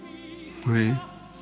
はい。